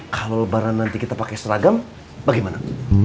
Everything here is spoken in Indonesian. kalau lebaran nanti kita pakai seragam bagaimana